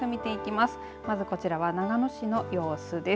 まずこちらは長野市の様子です。